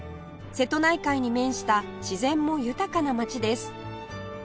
瀬戸内海に面した自然も豊かな町です